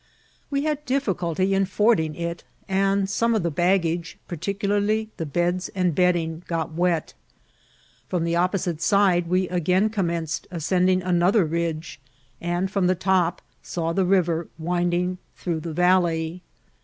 We had difficulty in fording it ; and some of the baggage, particularly the beds and bedding, got wet. From the opposite side we again commenced ascending another ridge, and from the top saw the river winding through the valley.